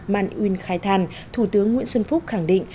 man yuen khai than thủ tướng nguyễn xuân phúc khẳng định